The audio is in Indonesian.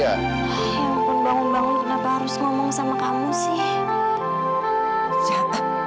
yang aku bangun bangun kenapa harus ngomong sama kamu sih